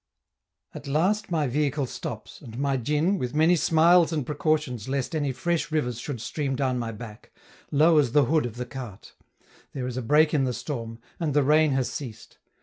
At last my vehicle stops, and my djin, with many smiles and precautions lest any fresh rivers should stream down my back, lowers the hood of the cart; there is a break in the storm, and the rain has ceased.